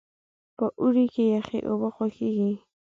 په اوړي کې یخې اوبه خوښیږي.